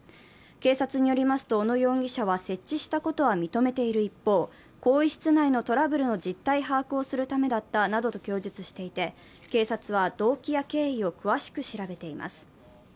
警察によりますと、小野容疑者は設置したことは認めている一方、更衣室内のトラブルの実態把握をするためだったなどと供述していて、警察は動機や経緯を詳しく調べています。